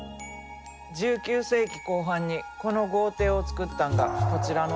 １９世紀後半にこの豪邸をつくったんがこちらのお方。